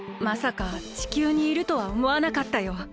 まさか地球にいるとはおもわなかったよ。